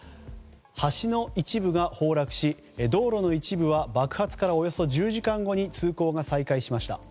橋の一部が崩落し道路の一部は爆発からおよそ１０時間後に通行が再開しました。